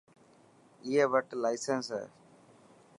ائي وٽ لاسينس هي.